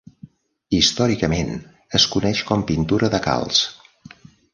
Històricament, es coneix com pintura de calç.